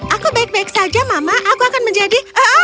aku baik baik saja mama aku akan menjadi